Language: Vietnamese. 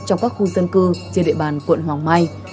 trong các khu dân cư trên địa bàn quận hoàng mai